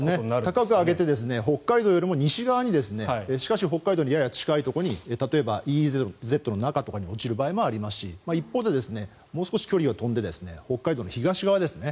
高く上げて北海道よりも西側にしかし北海道にやや近いところに例えばＥＥＺの近いところに落ちる場合もありますし一方で、もう少し距離を飛んで北海道の東側ですね。